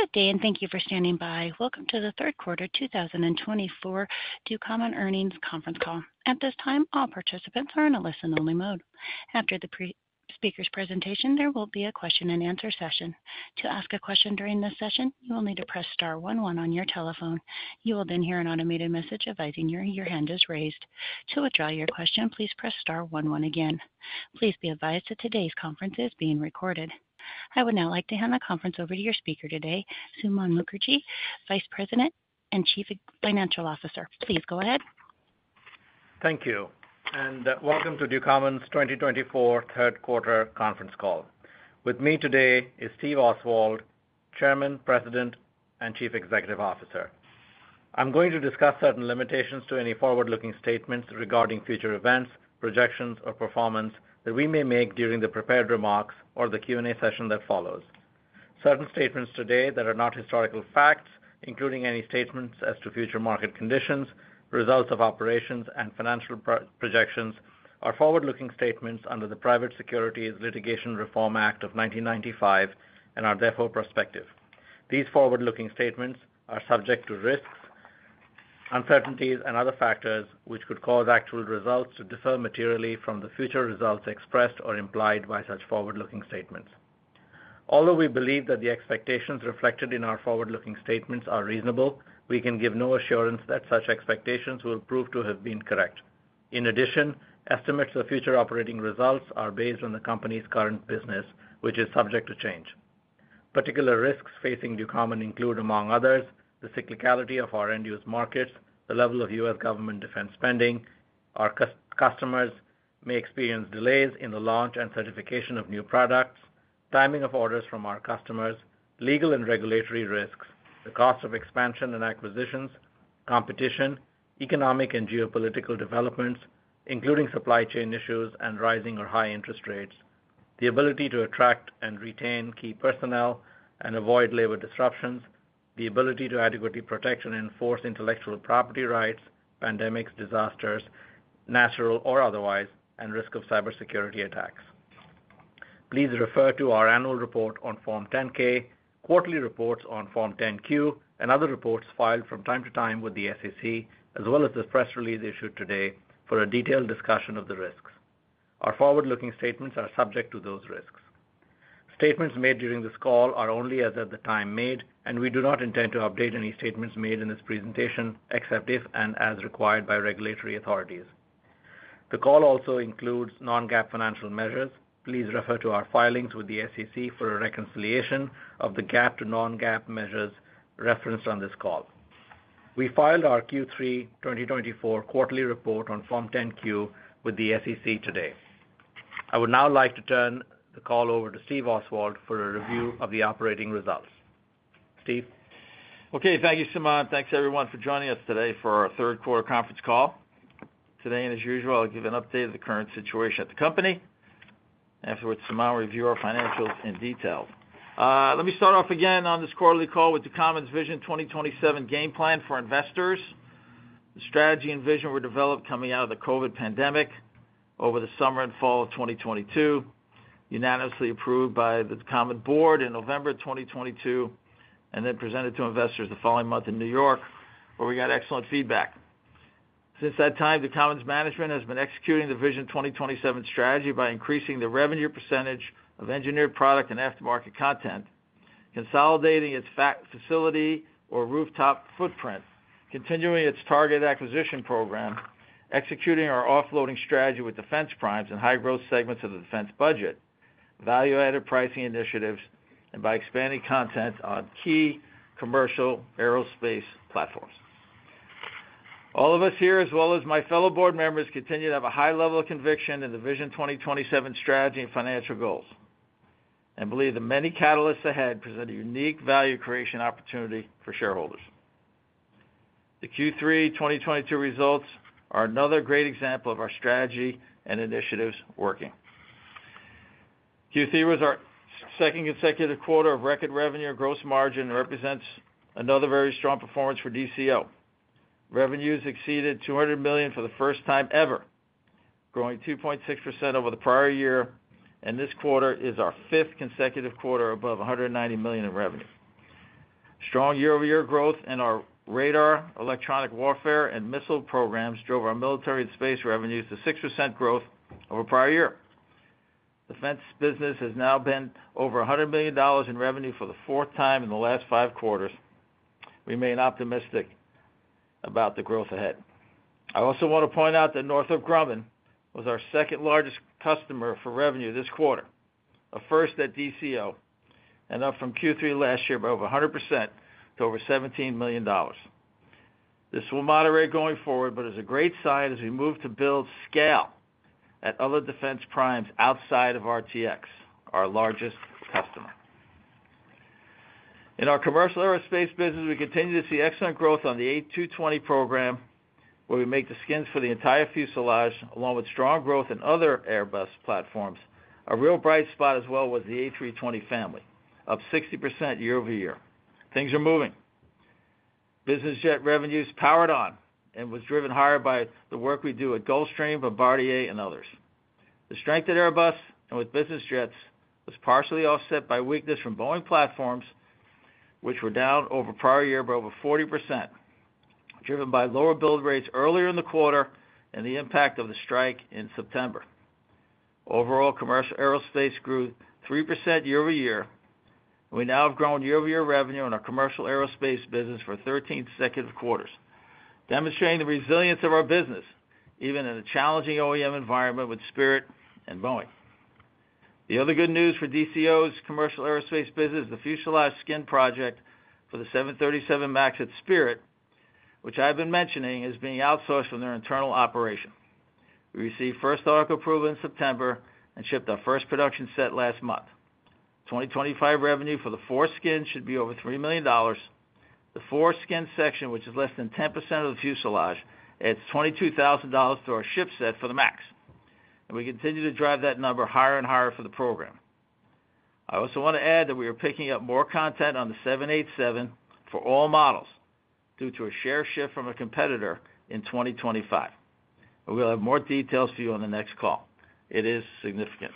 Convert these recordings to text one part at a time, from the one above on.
Good day, and thank you for standing by. Welcome to the third quarter 2024 Ducommun Earnings conference call. At this time, all participants are in a listen-only mode. After the speaker's presentation, there will be a question-and-answer session. To ask a question during this session, you will need to press star one one on your telephone. You will then hear an automated message advising you your hand is raised. To withdraw your question, please press star one one again. Please be advised that today's conference is being recorded. I would now like to hand the conference over to your speaker today, Suman Mookerji, Vice President and Chief Financial Officer. Please go ahead. Thank you, and welcome to Ducommun's 2024 third quarter conference call. With me today is Steve Oswald, Chairman, President, and Chief Executive Officer. I'm going to discuss certain limitations to any forward-looking statements regarding future events, projections, or performance that we may make during the prepared remarks or the Q&A session that follows. Certain statements today that are not historical facts, including any statements as to future market conditions, results of operations, and financial projections, are forward-looking statements under the Private Securities Litigation Reform Act of 1995 and are therefore prospective. These forward-looking statements are subject to risks, uncertainties, and other factors which could cause actual results to differ materially from the future results expressed or implied by such forward-looking statements. Although we believe that the expectations reflected in our forward-looking statements are reasonable, we can give no assurance that such expectations will prove to have been correct. In addition, estimates of future operating results are based on the company's current business, which is subject to change. Particular risks facing Ducommun include, among others, the cyclicality of our end-use markets, the level of U.S. government defense spending, our customers may experience delays in the launch and certification of new products, timing of orders from our customers, legal and regulatory risks, the cost of expansion and acquisitions, competition, economic and geopolitical developments, including supply chain issues and rising or high interest rates, the ability to attract and retain key personnel and avoid labor disruptions, the ability to adequately protect and enforce intellectual property rights, pandemics, disasters, natural or otherwise, and risk of cybersecurity attacks. Please refer to our annual report on Form 10-K, quarterly reports on Form 10-Q, and other reports filed from time to time with the SEC, as well as the press release issued today for a detailed discussion of the risks. Our forward-looking statements are subject to those risks. Statements made during this call are only as at the time made, and we do not intend to update any statements made in this presentation except if and as required by regulatory authorities. The call also includes non-GAAP financial measures. Please refer to our filings with the SEC for a reconciliation of the GAAP to non-GAAP measures referenced on this call. We filed our Q3 2024 quarterly report on Form 10-Q with the SEC today. I would now like to turn the call over to Steve Oswald for a review of the operating results. Steve. Okay. Thank you, Suman. Thanks, everyone, for joining us today for our third quarter conference call. Today, and as usual, I'll give an update of the current situation at the company. Afterwards, Suman will review our financials in detail. Let me start off again on this quarterly call with Ducommun's Vision 2027 Game Plan for Investors. The strategy and vision were developed coming out of the COVID pandemic over the summer and fall of 2022, unanimously approved by the Ducommun board in November 2022, and then presented to investors the following month in New York, where we got excellent feedback. Since that time, Ducommun's management has been executing the Vision 2027 strategy by increasing the revenue percentage of engineered product and aftermarket content, consolidating its facility or rooftop footprint, continuing its target acquisition program, executing our offloading strategy with defense primes and high-growth segments of the defense budget, value-added pricing initiatives, and by expanding content on key commercial aerospace platforms. All of us here, as well as my fellow board members, continue to have a high level of conviction in the Vision 2027 strategy and financial goals, and believe the many catalysts ahead present a unique value creation opportunity for shareholders. The Q3 2022 results are another great example of our strategy and initiatives working. Q3 was our second consecutive quarter of record revenue or gross margin and represents another very strong performance for DCO. Revenues exceeded $200 million for the first time ever, growing 2.6% over the prior year, and this quarter is our fifth consecutive quarter above $190 million in revenue. Strong year-over-year growth in our radar, electronic warfare, and missile programs drove our military and space revenues to 6% growth over prior year. Defense business has now been over $100 million in revenue for the fourth time in the last five quarters. We remain optimistic about the growth ahead. I also want to point out that Northrop Grumman was our second-largest customer for revenue this quarter, a first at DCO, and up from Q3 last year by over 100% to over $17 million. This will moderate going forward, but is a great sign as we move to build scale at other defense primes outside of RTX, our largest customer. In our commercial aerospace business, we continue to see excellent growth on the A220 program, where we make the skins for the entire fuselage, along with strong growth in other Airbus platforms. A real bright spot as well was the A320 family, up 60% year-over-year. Things are moving. Business jet revenues powered on and was driven higher by the work we do at Gulfstream, Bombardier, and others. The strength at Airbus and with business jets was partially offset by weakness from Boeing platforms, which were down over prior year by over 40%, driven by lower build rates earlier in the quarter and the impact of the strike in September. Overall, commercial aerospace grew 3% year-over-year, and we now have grown year-over-year revenue in our commercial aerospace business for 13 consecutive quarters, demonstrating the resilience of our business even in a challenging OEM environment with Spirit and Boeing. The other good news for DCO's commercial aerospace business is the fuselage skin project for the 737 MAX at Spirit, which I've been mentioning is being outsourced from their internal operation. We received First Article approval in September and shipped our first production set last month. 2025 revenue for the four skins should be over $3 million. The four skins section, which is less than 10% of the fuselage, adds $22,000 to our ship set for the MAX, and we continue to drive that number higher and higher for the program. I also want to add that we are picking up more content on the 787 for all models due to a share shift from a competitor in 2025. We'll have more details for you on the next call. It is significant.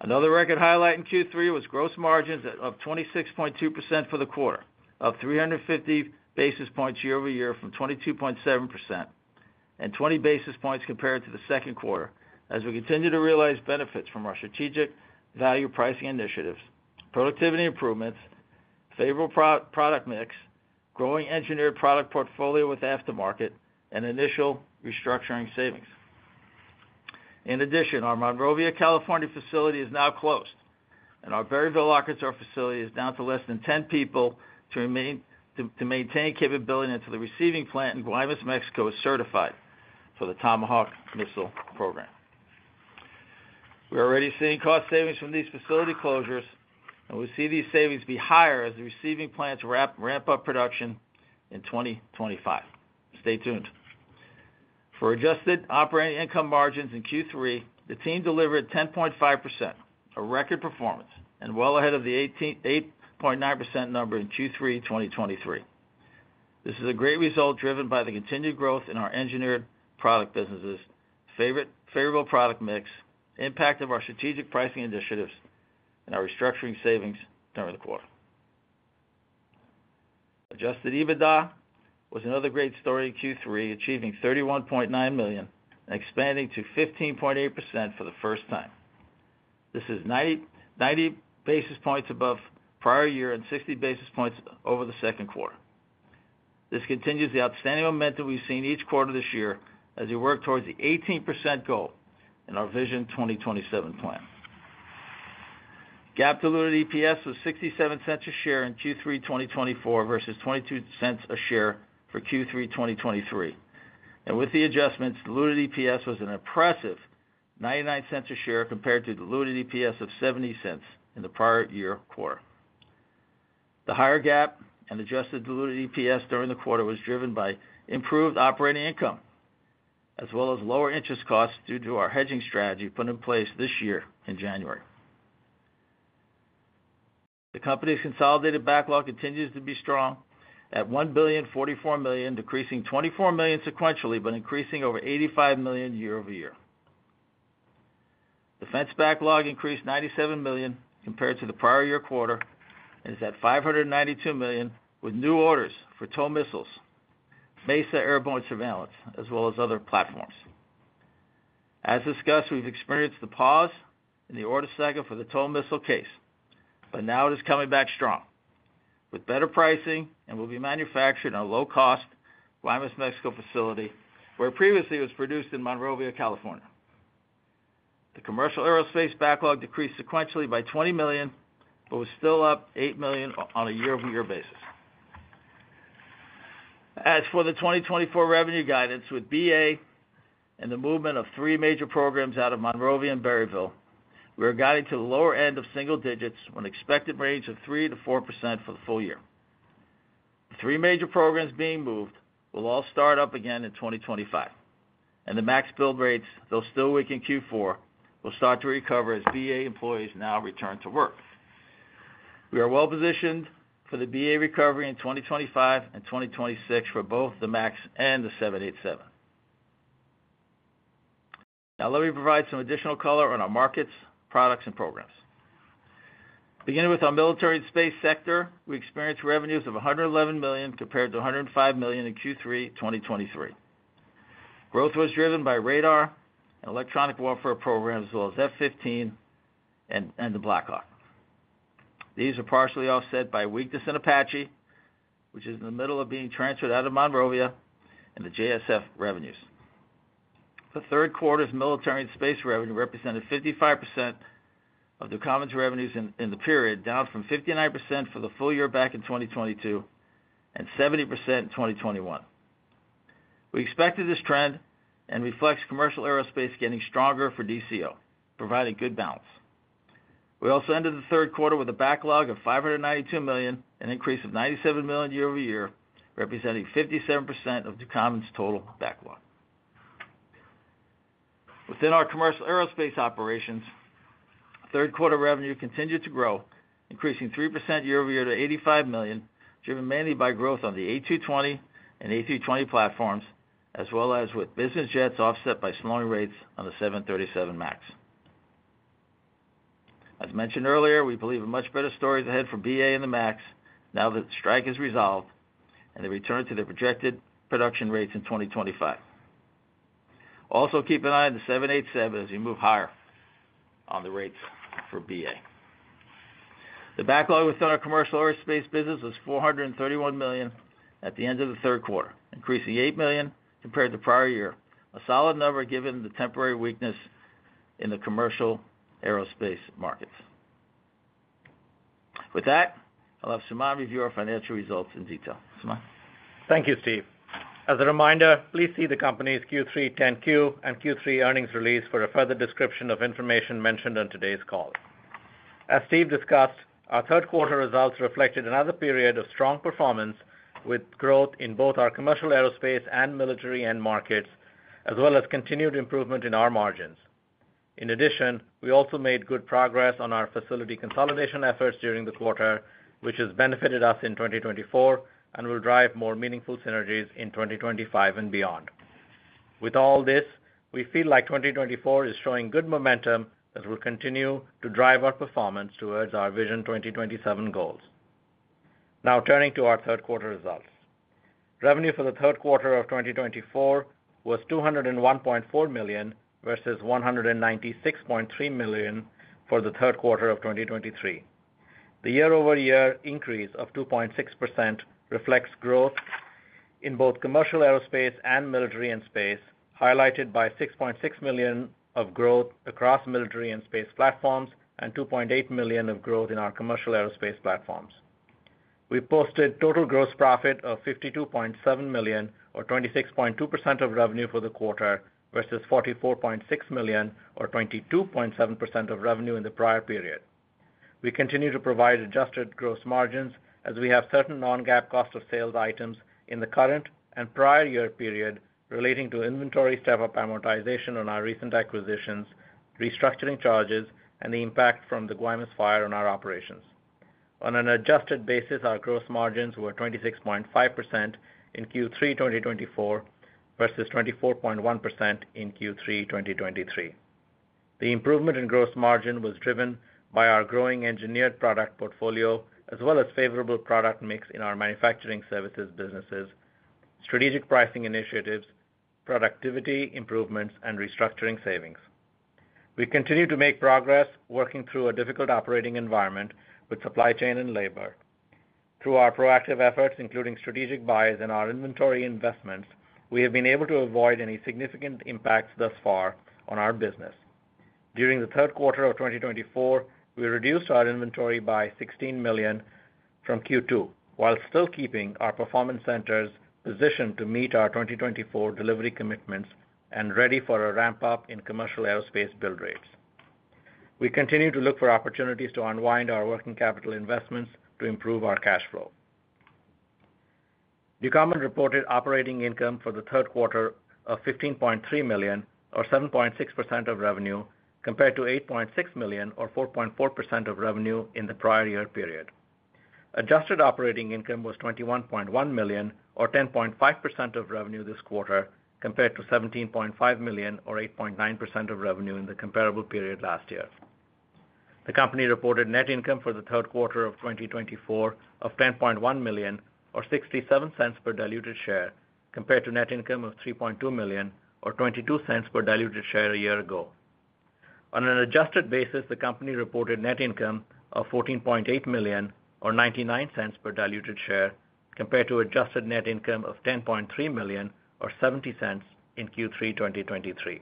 Another record highlight in Q3 was gross margins of 26.2% for the quarter, up 350 basis points year-over-year from 22.7%, and 20 basis points compared to the second quarter, as we continue to realize benefits from our strategic value pricing initiatives, productivity improvements, favorable product mix, growing engineered product portfolio with aftermarket, and initial restructuring savings. In addition, our Monrovia, California facility is now closed, and our Berryville, Arkansas facility is down to less than 10 people to maintain capability until the receiving plant in Guaymas, Mexico, is certified for the Tomahawk missile program. We're already seeing cost savings from these facility closures, and we see these savings be higher as the receiving plants ramp up production in 2025. Stay tuned. For adjusted operating income margins in Q3, the team delivered 10.5%, a record performance, and well ahead of the 8.9% number in Q3 2023. This is a great result driven by the continued growth in our engineered product businesses, favorable product mix, impact of our strategic pricing initiatives, and our restructuring savings during the quarter. Adjusted EBITDA was another great story in Q3, achieving $31.9 million and expanding to 15.8% for the first time. This is 90 basis points above prior year and 60 basis points over the second quarter. This continues the outstanding momentum we've seen each quarter this year as we work towards the 18% goal in our Vision 2027 plan. GAAP diluted EPS was $0.67 a share in Q3 2024 versus $0.22 a share for Q3 2023, and with the adjustments, diluted EPS was an impressive $0.99 a share compared to diluted EPS of $0.70 in the prior year quarter. The higher GAAP and adjusted diluted EPS during the quarter was driven by improved operating income, as well as lower interest costs due to our hedging strategy put in place this year in January. The company's consolidated backlog continues to be strong at $1.044 billion, decreasing $24 million sequentially, but increasing over $85 million year-over-year. Defense backlog increased $97 million compared to the prior year quarter and is at $592 million with new orders for TOW missiles, MESA airborne surveillance, as well as other platforms. As discussed, we've experienced the pause in the order cycle for the TOW missile case, but now it is coming back strong with better pricing and will be manufactured in a low-cost Guaymas, Mexico facility where it previously was produced in Monrovia, California. The commercial aerospace backlog decreased sequentially by $20 million, but was still up $8 million on a year-over-year basis. As for the 2024 revenue guidance with BA and the movement of three major programs out of Monrovia and Berryville, we are guiding to the lower end of single digits versus the expected range of 3%-4% for the full year. The three major programs being moved will all start up again in 2025, and the MAX build rates, though still weak in Q4, will start to recover as BA employees now return to work. We are well positioned for the BA recovery in 2025 and 2026 for both the MAX and the 787. Now, let me provide some additional color on our markets, products, and programs. Beginning with our military and space sector, we experienced revenues of $111 million compared to $105 million in Q3 2023. Growth was driven by radar and electronic warfare programs, as well as F-15 and the Black Hawk. These are partially offset by weakness in Apache, which is in the middle of being transferred out of Monrovia and the JSF revenues. The third quarter's military and space revenue represented 55% of Ducommun's revenues in the period, down from 59% for the full year back in 2022 and 70% in 2021. We expected this trend and reflects commercial aerospace getting stronger for DCO, providing good balance. We also ended the third quarter with a backlog of $592 million, an increase of $97 million year-over-year, representing 57% of Ducommun's total backlog. Within our commercial aerospace operations, third quarter revenue continued to grow, increasing 3% year-over-year to $85 million, driven mainly by growth on the A220 and A320 platforms, as well as with business jets offset by slowing rates on the 737 MAX. As mentioned earlier, we believe a much better story is ahead for BA and the MAX now that the strike has resolved and they returned to their projected production rates in 2025. Also, keep an eye on the 787 as you move higher on the rates for BA. The backlog within our commercial aerospace business was $431 million at the end of the third quarter, increasing $8 million compared to prior year, a solid number given the temporary weakness in the commercial aerospace markets. With that, I'll have Suman review our financial results in detail. Thank you, Steve. As a reminder, please see the company's Q3 10-Q and Q3 earnings release for a further description of information mentioned on today's call. As Steve discussed, our third quarter results reflected another period of strong performance with growth in both our commercial aerospace and military end markets, as well as continued improvement in our margins. In addition, we also made good progress on our facility consolidation efforts during the quarter, which has benefited us in 2024 and will drive more meaningful synergies in 2025 and beyond. With all this, we feel like 2024 is showing good momentum as we'll continue to drive our performance towards our Vision 2027 goals. Now, turning to our third quarter results, revenue for the third quarter of 2024 was $201.4 million versus $196.3 million for the third quarter of 2023. The year-over-year increase of 2.6% reflects growth in both commercial aerospace and military and space, highlighted by $6.6 million of growth across military and space platforms and $2.8 million of growth in our commercial aerospace platforms. We posted total gross profit of $52.7 million, or 26.2% of revenue for the quarter, versus $44.6 million, or 22.7% of revenue in the prior period. We continue to provide adjusted gross margins as we have certain non-GAAP cost of sales items in the current and prior year period relating to inventory step-up amortization on our recent acquisitions, restructuring charges, and the impact from the Guaymas fire on our operations. On an adjusted basis, our gross margins were 26.5% in Q3 2024 versus 24.1% in Q3 2023. The improvement in gross margin was driven by our growing engineered product portfolio, as well as favorable product mix in our manufacturing services businesses, strategic pricing initiatives, productivity improvements, and restructuring savings. We continue to make progress working through a difficult operating environment with supply chain and labor. Through our proactive efforts, including strategic buyers and our inventory investments, we have been able to avoid any significant impacts thus far on our business. During the third quarter of 2024, we reduced our inventory by $16 million from Q2, while still keeping our performance centers positioned to meet our 2024 delivery commitments and ready for a ramp-up in commercial aerospace build rates. We continue to look for opportunities to unwind our working capital investments to improve our cash flow. Ducommun reported operating income for the third quarter of $15.3 million, or 7.6% of revenue, compared to $8.6 million, or 4.4% of revenue in the prior year period. Adjusted operating income was $21.1 million, or 10.5% of revenue this quarter, compared to $17.5 million, or 8.9% of revenue in the comparable period last year. The company reported net income for the third quarter of 2024 of $10.1 million, or $0.67 per diluted share, compared to net income of $3.2 million, or $0.22 per diluted share a year ago. On an adjusted basis, the company reported net income of $14.8 million, or $0.99 per diluted share, compared to adjusted net income of $10.3 million, or $0.70 in Q3 2023.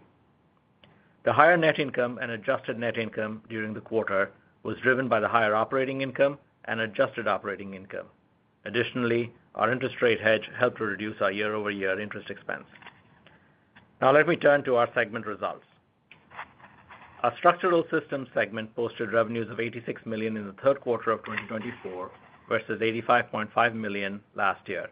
The higher net income and adjusted net income during the quarter was driven by the higher operating income and adjusted operating income. Additionally, our interest rate hedge helped to reduce our year-over-year interest expense. Now, let me turn to our segment results. Our Structural Systems segment posted revenues of $86 million in the third quarter of 2024 versus $85.5 million last year.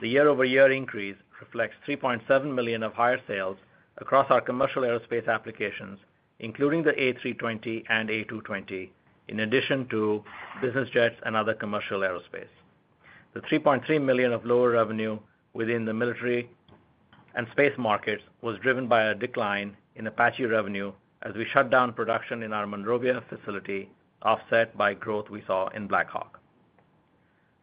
The year-over-year increase reflects $3.7 million of higher sales across our commercial aerospace applications, including the A320 and A220, in addition to business jets and other commercial aerospace. The $3.3 million of lower revenue within the military and space markets was driven by a decline in Apache revenue as we shut down production in our Monrovia facility, offset by growth we saw in Black Hawk.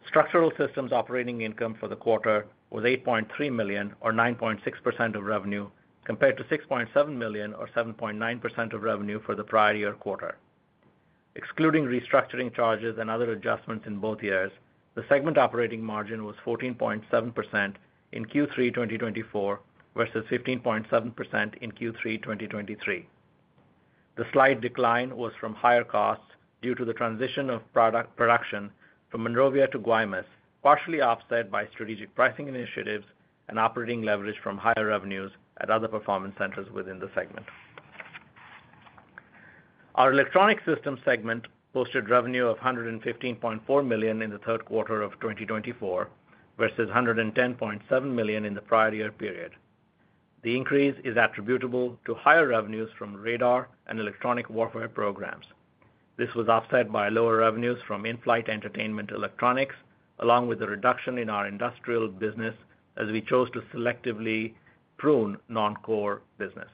Structural Systems operating income for the quarter was $8.3 million, or 9.6% of revenue, compared to $6.7 million, or 7.9% of revenue for the prior year quarter. Excluding restructuring charges and other adjustments in both years, the segment operating margin was 14.7% in Q3 2024 versus 15.7% in Q3 2023. The slight decline was from higher costs due to the transition of production from Monrovia to Guaymas, partially offset by strategic pricing initiatives and operating leverage from higher revenues at other performance centers within the segment. Our Electronic Systems segment posted revenue of $115.4 million in the third quarter of 2024 versus $110.7 million in the prior year period. The increase is attributable to higher revenues from radar and electronic warfare programs. This was offset by lower revenues from in-flight entertainment electronics, along with a reduction in our industrial business as we chose to selectively prune non-core business.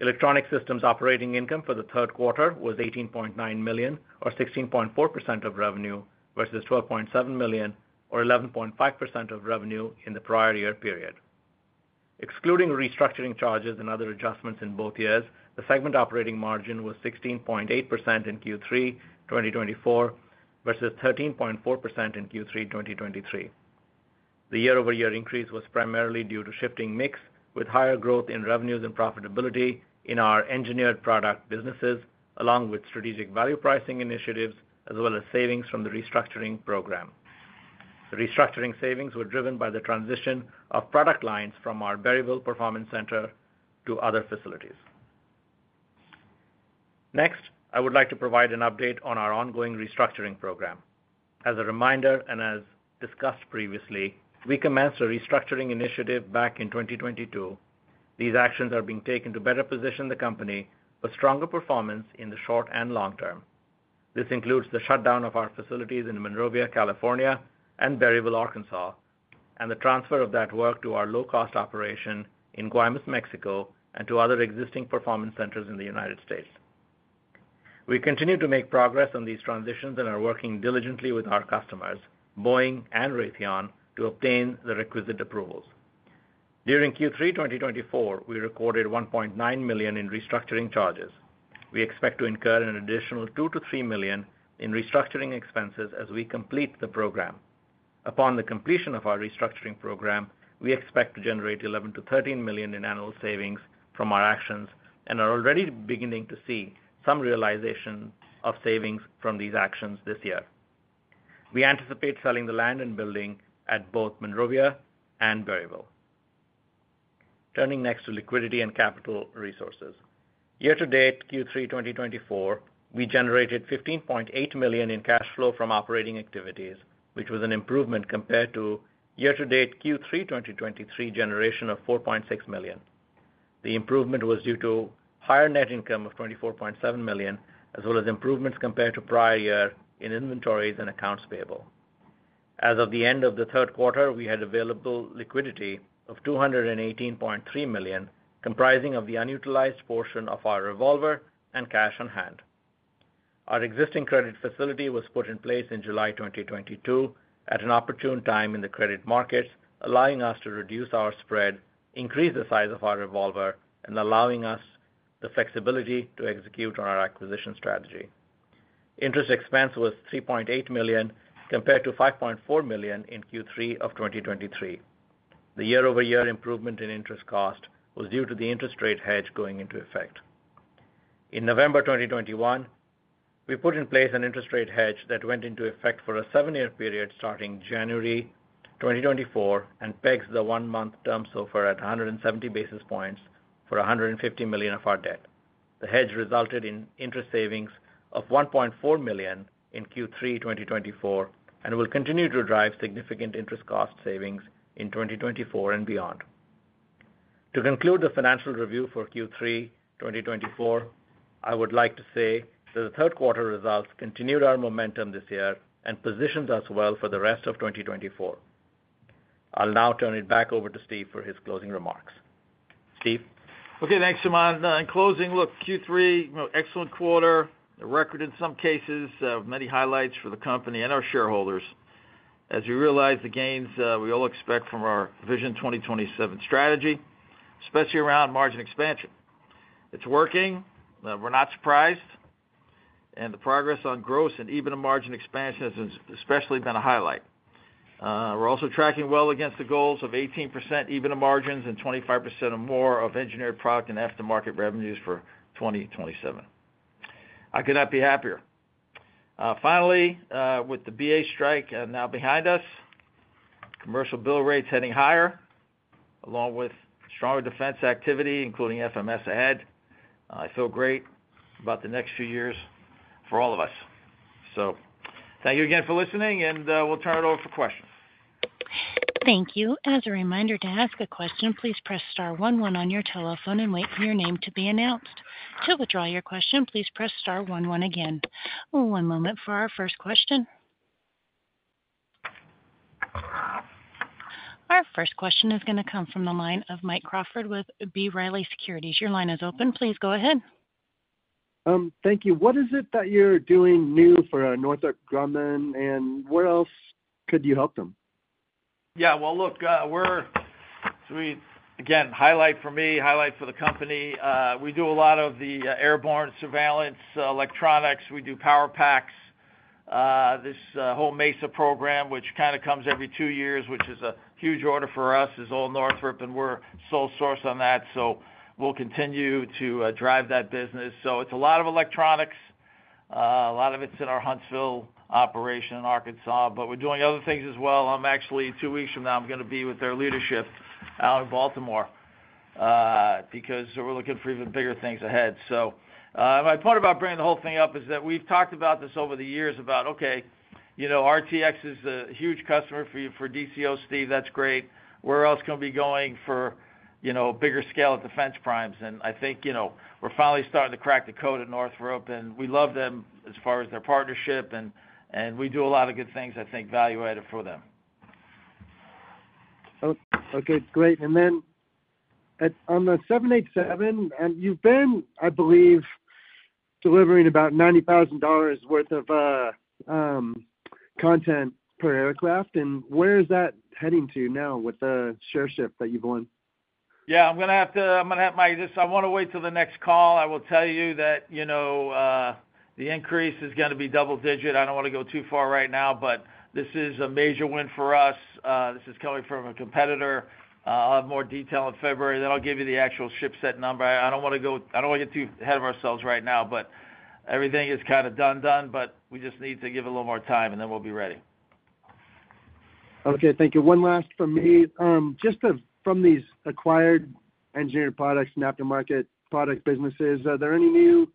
Electronic Systems operating income for the third quarter was $18.9 million, or 16.4% of revenue, versus $12.7 million, or 11.5% of revenue in the prior year period. Excluding restructuring charges and other adjustments in both years, the segment operating margin was 16.8% in Q3 2024 versus 13.4% in Q3 2023. The year-over-year increase was primarily due to shifting mix with higher growth in revenues and profitability in our engineered product businesses, along with strategic value pricing initiatives, as well as savings from the restructuring program. The restructuring savings were driven by the transition of product lines from our Berryville performance center to other facilities. Next, I would like to provide an update on our ongoing restructuring program. As a reminder and as discussed previously, we commenced a restructuring initiative back in 2022. These actions are being taken to better position the company for stronger performance in the short and long term. This includes the shutdown of our facilities in Monrovia, California, and Berryville, Arkansas, and the transfer of that work to our low-cost operation in Guaymas, Mexico, and to other existing performance centers in the United States. We continue to make progress on these transitions and are working diligently with our customers, Boeing and Raytheon, to obtain the requisite approvals. During Q3 2024, we recorded $1.9 million in restructuring charges. We expect to incur an additional $2-$3 million in restructuring expenses as we complete the program. Upon the completion of our restructuring program, we expect to generate $11-$13 million in annual savings from our actions and are already beginning to see some realization of savings from these actions this year. We anticipate selling the land and building at both Monrovia and Berryville. Turning next to liquidity and capital resources. Year-to-date Q3 2024, we generated $15.8 million in cash flow from operating activities, which was an improvement compared to year-to-date Q3 2023 generation of $4.6 million. The improvement was due to higher net income of $24.7 million, as well as improvements compared to prior year in inventories and accounts payable. As of the end of the third quarter, we had available liquidity of $218.3 million, comprising of the unutilized portion of our revolver and cash on hand. Our existing credit facility was put in place in July 2022 at an opportune time in the credit markets, allowing us to reduce our spread, increase the size of our revolver, and allowing us the flexibility to execute on our acquisition strategy. Interest expense was $3.8 million compared to $5.4 million in Q3 of 2023. The year-over-year improvement in interest cost was due to the interest rate hedge going into effect. In November 2021, we put in place an interest rate hedge that went into effect for a seven-year period starting January 2024 and pegs the one-month term SOFR at 170 basis points for $150 million of our debt. The hedge resulted in interest savings of $1.4 million in Q3 2024 and will continue to drive significant interest cost savings in 2024 and beyond. To conclude the financial review for Q3 2024, I would like to say that the third quarter results continued our momentum this year and positioned us well for the rest of 2024. I'll now turn it back over to Steve for his closing remarks. Steve. Okay, thanks, Suman. In closing, look, Q3, excellent quarter, a record in some cases, many highlights for the company and our shareholders. As you realize, the gains we all expect from our Vision 2027 strategy, especially around margin expansion. It's working. We're not surprised. And the progress on gross and EBITDA margin expansion has especially been a highlight. We're also tracking well against the goals of 18% EBITDA margins and 25% or more of engineered product and aftermarket revenues for 2027. I could not be happier. Finally, with the BA strike now behind us, commercial build rates heading higher, along with stronger defense activity, including FMS ahead. I feel great about the next few years for all of us. So thank you again for listening, and we'll turn it over for questions. Thank you. As a reminder to ask a question, please press star 11 on your telephone and wait for your name to be announced. To withdraw your question, please press star one one again. One moment for our first question. Our first question is going to come from the line of Mike Crawford with B. Riley Securities. Your line is open. Please go ahead. Thank you. What is it that you're doing new for Northrop Grumman, and where else could you help them? Yeah, well, look, we're again, highlight for me, highlight for the company. We do a lot of the airborne surveillance electronics. We do power packs. This whole MESA program, which kind of comes every two years, which is a huge order for us, is all Northrop, and we're sole source on that. So we'll continue to drive that business. So it's a lot of electronics. A lot of it's in our Huntsville operation in Arkansas, but we're doing other things as well. Actually, two weeks from now, I'm going to be with their leadership out in Baltimore because we're looking for even bigger things ahead. So my point about bringing the whole thing up is that we've talked about this over the years about, okay, RTX is a huge customer for DCO, Steve. That's great. Where else can we be going for bigger scale at defense primes? I think we're finally starting to crack the code at Northrop, and we love them as far as their partnership, and we do a lot of good things, I think, value-added for them. Okay, great. And then on the 787, you've been, I believe, delivering about $90,000 worth of content per aircraft. And where is that heading to now with the ship set that you've won? Yeah, I want to wait till the next call. I will tell you that the increase is going to be double-digit. I don't want to go too far right now, but this is a major win for us. This is coming from a competitor. I'll have more detail in February. Then I'll give you the actual ship set number. I don't want to get too ahead of ourselves right now, but everything is kind of done, but we just need to give it a little more time, and then we'll be ready. Okay, thank you. One last for me, just from these acquired engineered products and aftermarket product businesses, are there any new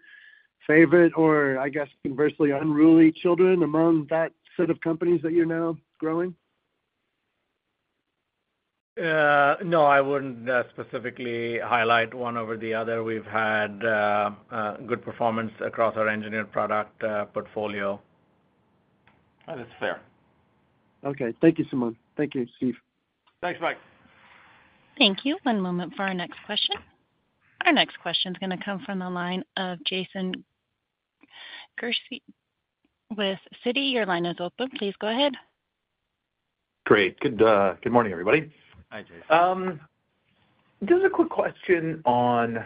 favorite or, I guess, conversely, unruly children among that set of companies that you're now growing? No, I wouldn't specifically highlight one over the other. We've had good performance across our engineered product portfolio. That's fair. Okay, thank you, Suman. Thank you, Steve. Thanks, Mike. Thank you. One moment for our next question. Our next question is going to come from the line of Jason Gursky with Citi. Your line is open. Please go ahead. Great. Good morning, everybody. Hi, Jason. Just a quick question on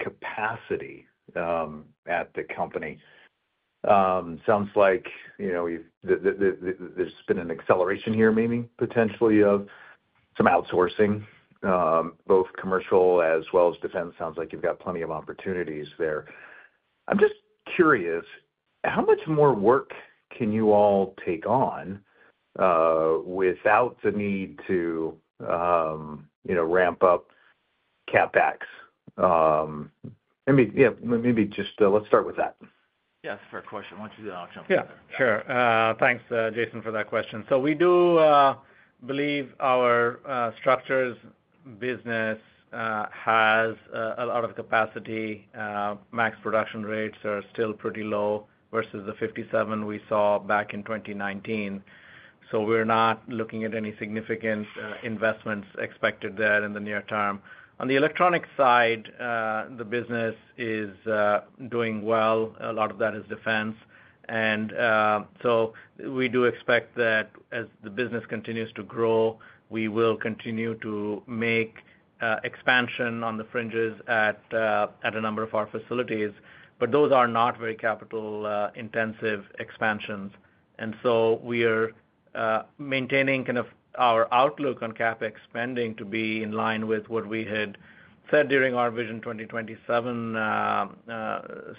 capacity at the company. Sounds like there's been an acceleration here, maybe potentially of some outsourcing, both commercial as well as defense. Sounds like you've got plenty of opportunities there. I'm just curious, how much more work can you all take on without the need to ramp up capex? I mean, yeah, maybe just let's start with that. Yeah, that's a fair question. Suman, why don't you jump in there? Yeah, sure. Thanks, Jason, for that question. So we do believe our structures business has a lot of capacity. Max production rates are still pretty low versus the 57 we saw back in 2019. So we're not looking at any significant investments expected there in the near term. On the electronic side, the business is doing well. A lot of that is defense. And so we do expect that as the business continues to grow, we will continue to make expansion on the fringes at a number of our facilities, but those are not very capital-intensive expansions. And so we are maintaining kind of our outlook on CapEx spending to be in line with what we had said during our Vision 2027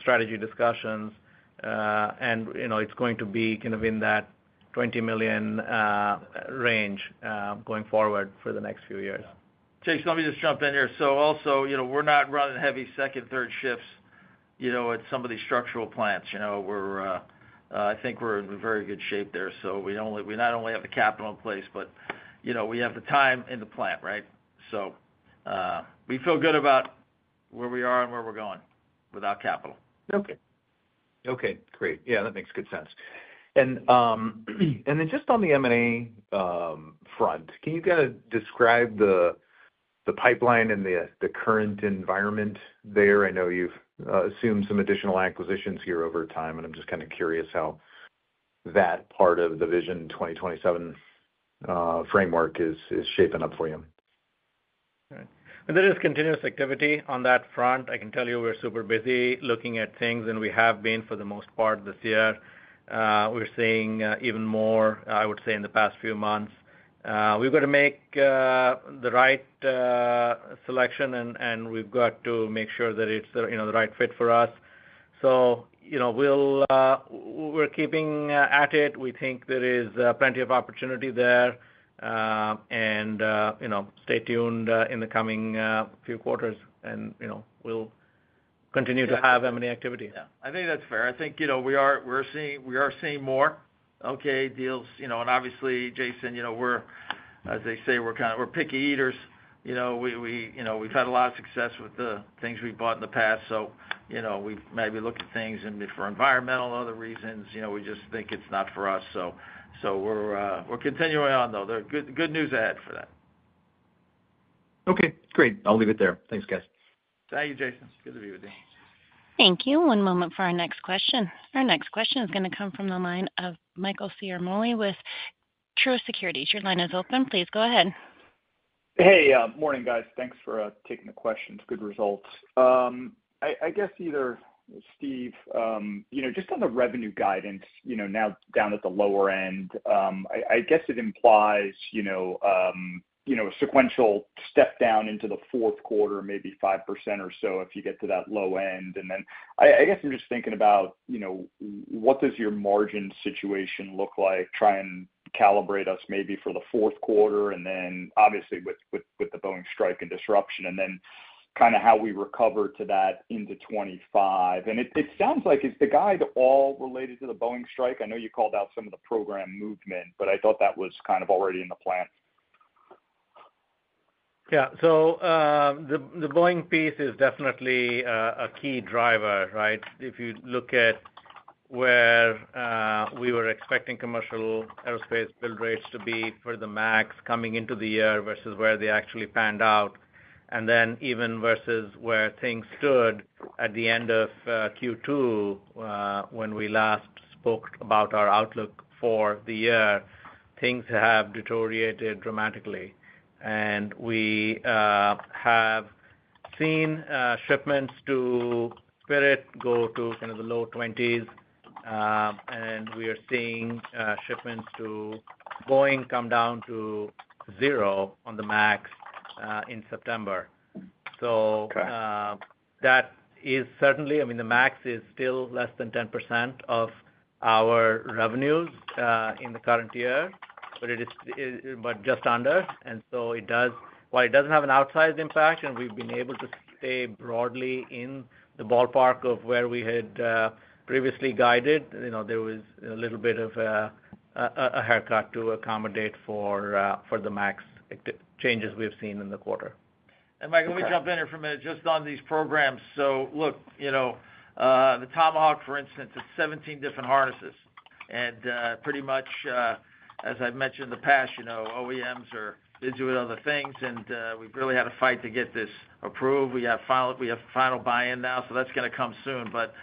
strategy discussions. And it's going to be kind of in that $20 million range going forward for the next few years. Jason, let me just jump in here. So also, we're not running heavy second, third shifts at some of these structural plants. I think we're in very good shape there. So we not only have the capital in place, but we have the time in the plant, right? So we feel good about where we are and where we're going without capital. Okay. Okay, great. Yeah, that makes good sense. And then just on the M&A front, can you kind of describe the pipeline and the current environment there? I know you've assumed some additional acquisitions here over time, and I'm just kind of curious how that part of the Vision 2027 framework is shaping up for you. And that is continuous activity on that front. I can tell you we're super busy looking at things, and we have been for the most part this year. We're seeing even more, I would say, in the past few months. We've got to make the right selection, and we've got to make sure that it's the right fit for us. So we're keeping at it. We think there is plenty of opportunity there. And stay tuned in the coming few quarters, and we'll continue to have M&A activity. Yeah, I think that's fair. I think we are seeing more, okay, deals. And obviously, Jason, as they say, we're kind of picky eaters. We've had a lot of success with the things we bought in the past. So we've maybe looked at things for environmental other reasons. We just think it's not for us. So we're continuing on, though. Good news ahead for that. Okay, great. I'll leave it there. Thanks, guys. Thank you, Jason. It's good to be with you. Thank you. One moment for our next question. Our next question is going to come from the line of Michael Ciarmoli with Truist Securities. Your line is open. Please go ahead. Hey, morning, guys. Thanks for taking the questions. Good results. I guess either Steve, just on the revenue guidance now down at the lower end, I guess it implies a sequential step down into the fourth quarter, maybe 5% or so if you get to that low end. Then I guess I'm just thinking about what does your margin situation look like. Try and calibrate us maybe for the fourth quarter, and then obviously with the Boeing strike and disruption, and then kind of how we recover to that into 2025. It sounds like it's the guide all related to the Boeing strike. I know you called out some of the program movement, but I thought that was kind of already in the plan. Yeah. So the Boeing piece is definitely a key driver, right? If you look at where we were expecting commercial aerospace build rates to be for the max coming into the year versus where they actually panned out, and then even versus where things stood at the end of Q2 when we last spoke about our outlook for the year, things have deteriorated dramatically. And we have seen shipments to Spirit go to kind of the low 20s, and we are seeing shipments to Boeing come down to zero on the max in September. So that is certainly, I mean, the max is still less than 10% of our revenues in the current year, but just under. And so while it doesn't have an outsized impact, and we've been able to stay broadly in the ballpark of where we had previously guided, there was a little bit of a haircut to accommodate for the MAX changes we've seen in the quarter. And Mike, let me jump in here for a minute just on these programs. So look, the Tomahawk, for instance, it's 17 different harnesses. And pretty much, as I've mentioned in the past, OEMs are busy with other things, and we've really had a fight to get this approved. We have final buy-in now, so that's going to come soon. But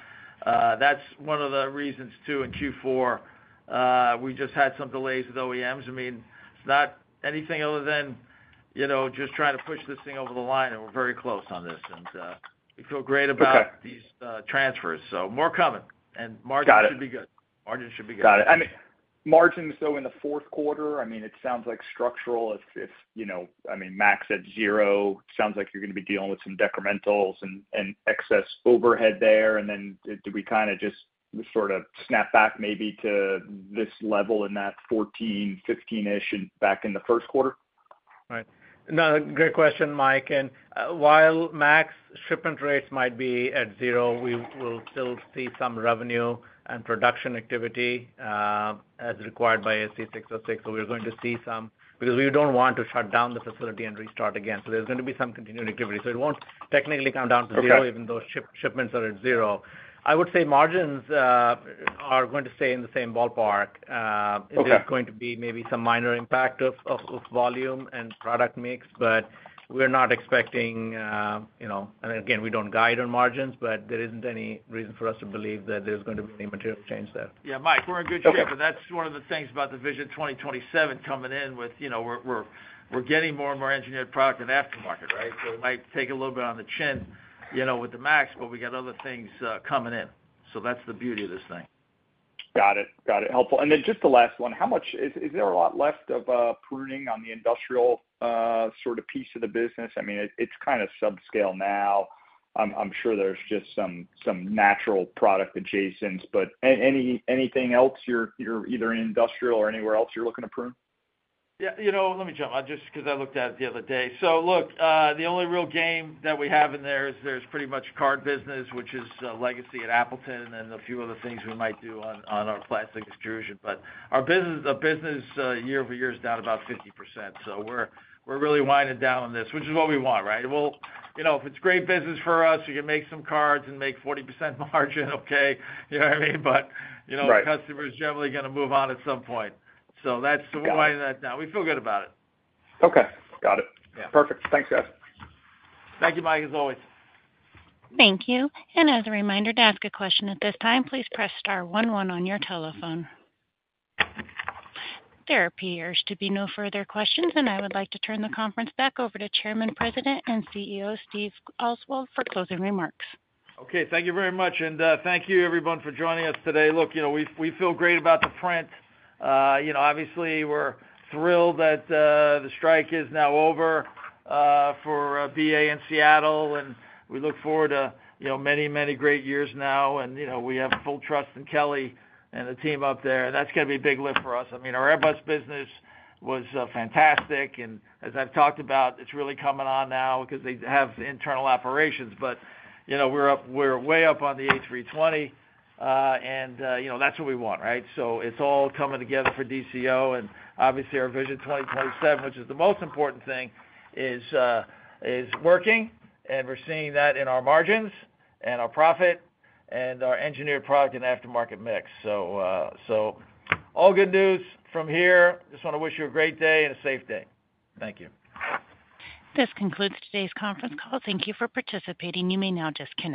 that's one of the reasons too, in Q4, we just had some delays with OEMs. I mean, it's not anything other than just trying to push this thing over the line, and we're very close on this. And we feel great about these transfers. So more coming, and margins should be good. Margins should be good. Got it. I mean, margins though in the fourth quarter, I mean, it sounds like structural, if I mean, MAX at zero, it sounds like you're going to be dealing with some decrementals and excess overhead there. And then do we kind of just sort of snap back maybe to this level in that 14, 15-ish back in the first quarter? Right. No, great question, Mike. And while MAX shipment rates might be at zero, we will still see some revenue and production activity as required by ASC 606. So we're going to see some because we don't want to shut down the facility and restart again. So there's going to be some continued activity. So it won't technically come down to zero, even though shipments are at zero. I would say margins are going to stay in the same ballpark. There's going to be maybe some minor impact of volume and product mix, but we're not expecting, and again, we don't guide on margins, but there isn't any reason for us to believe that there's going to be any material change there. Yeah, Mike, we're in good shape. And that's one of the things about the Vision 2027 coming in with we're getting more and more engineered product in the aftermarket, right? So it might take a little bit on the chin with the MAX, but we got other things coming in. So that's the beauty of this thing. Got it. Got it. Helpful. And then just the last one, is there a lot left of pruning on the industrial sort of piece of the business? I mean, it's kind of subscale now. I'm sure there's just some natural product adjacents, but anything else you're either in industrial or anywhere else you're looking to prune? Yeah. Let me jump. Just because I looked at it the other day. So look, the only real game that we have in there is there's pretty much card business, which is legacy at Appleton, and then a few other things we might do on our plastic extrusion. But our business year-over-year is down about 50%. So we're really winding down on this, which is what we want, right? Well, if it's great business for us, we can make some cards and make 40% margin, okay? You know what I mean? But customer is generally going to move on at some point. So that's why we're winding that down. We feel good about it. Okay. Got it. Perfect. Thanks, guys. Thank you, Mike, as always. Thank you. And as a reminder to ask a question at this time, please press star one one on your telephone. There appears to be no further questions, and I would like to turn the conference back over to Chairman, President, and CEO Steve Oswald for closing remarks. Okay. Thank you very much. And thank you, everyone, for joining us today. Look, we feel great about the print. Obviously, we're thrilled that the strike is now over for BA in Seattle, and we look forward to many, many great years now. And we have full trust in Kelly and the team up there. And that's going to be a big lift for us. I mean, our Airbus business was fantastic. And as I've talked about, it's really coming on now because they have internal operations. But we're way up on the A320, and that's what we want, right? So it's all coming together for DCO. And obviously, our Vision 2027, which is the most important thing, is working, and we're seeing that in our margins and our profit and our engineered product and aftermarket mix. So all good news from here. Just want to wish you a great day and a safe day. Thank you. This concludes today's conference call. Thank you for participating. You may now disconnect.